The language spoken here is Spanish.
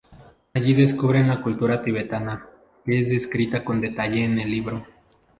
Allí descubren la cultura tibetana, que es descrita con detalle en el libro.